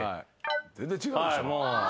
全然違うでしょ。